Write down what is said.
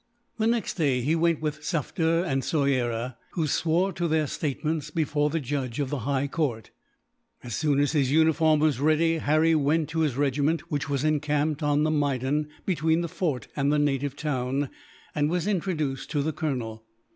The next day he went with Sufder and Soyera, who swore to their statements before the judge of the High Court. As soon as his uniform was ready, Harry went to his regiment which was encamped on the maidan, between the fort and the native town and was introduced to the colonel.